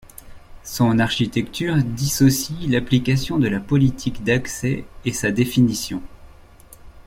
Son architecture dissocie l'application de la politique d'accès et sa définition.